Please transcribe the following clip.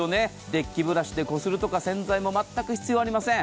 デッキブラシでこするとか、洗剤も全く必要ありません。